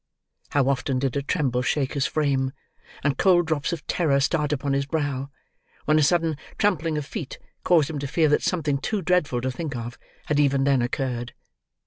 How often did a tremble shake his frame, and cold drops of terror start upon his brow, when a sudden trampling of feet caused him to fear that something too dreadful to think of, had even then occurred!